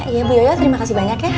iya ibu yoyo terima kasih banyak ya